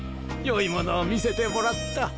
良いものを見せてもらった。